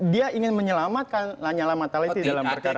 dia ingin menyelamatkan lanyala mataliti dalam perkara ini